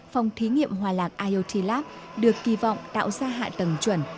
phòng thí nghiệm hòa lạc iot lab được kỳ vọng tạo ra hạ tầng chuẩn